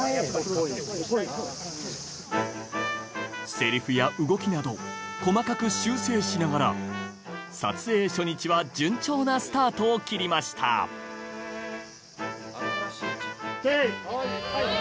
セリフや動きなど細かく修正しながら撮影初日は順調なスタートを切りました・ＯＫ！